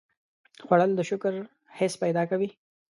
خوړل د شکر حس پیدا کوي